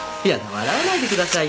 笑わないでください